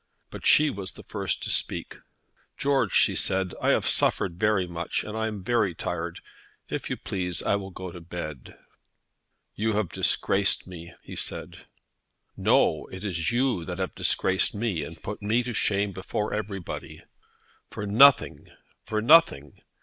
But she was the first to speak. "George," she said, "I have suffered very much, and am very tired. If you please, I will go to bed." "You have disgraced me," he said. "No; it is you that have disgraced me and put me to shame before everybody, for nothing, for nothing.